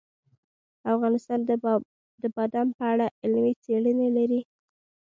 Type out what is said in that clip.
افغانستان د بادام په اړه علمي څېړنې لري.